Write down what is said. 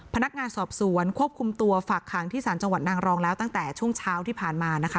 พนักงานสอบสวนควบคุมตัวฝากขังที่ศาลจังหวัดนางรองแล้วตั้งแต่ช่วงเช้าที่ผ่านมานะคะ